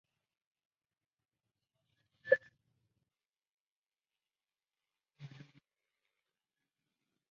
Asimismo, en la esquina derecha, figura la firma W. Holman Hunt.